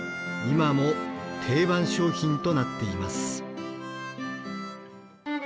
今も定番商品となっています。